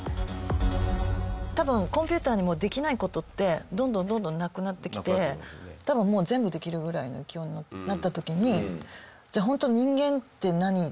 多分コンピューターにできない事ってどんどんどんどんなくなってきて多分もう全部できるぐらいの勢いになった時にじゃあホント人間って何？っていう。